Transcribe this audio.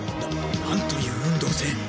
なんという運動性！